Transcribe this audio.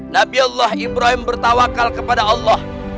nabi allah ibrahim bertawakal kepada allah